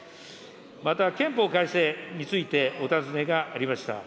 また憲法改正についてお尋ねがありました。